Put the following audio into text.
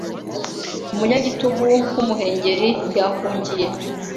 Umunyagitugu wumuhengeri yahungiye